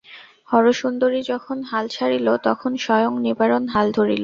হরসুন্দরী যখন হাল ছাড়িল, তখন স্বয়ং নিবারণ হাল ধরিল।